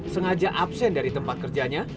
sengaja absen dari tempat kerjanya